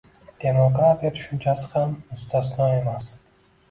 Demokratiya tushunchasi ham mustasno emas